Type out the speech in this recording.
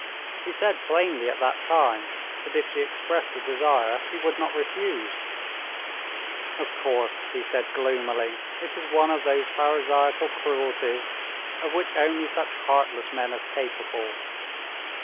He said plainly at that time that if she expressed the desire, he would not refuse. Of course," he said gloomily, "it is one of those Pharisaical cruelties of which only such heartless men are capable.